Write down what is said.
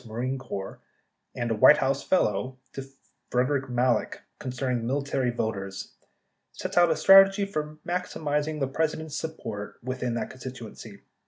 Marine Corps and a White House fellow, to Frederick Malek con cerning military voters, sets out a basic strategy for maximizing the President's support within that constituency.